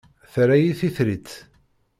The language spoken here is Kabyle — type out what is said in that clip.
Terra-iyi d titrit.